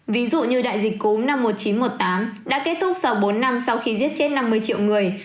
ví dụ như đại dịch cúm năm một nghìn chín trăm một mươi tám đã kết thúc sau bốn năm sau khi giết chết năm mươi triệu người